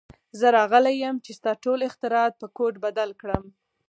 زه راغلی یم چې ستا ټول اختراعات په کوډ بدل کړم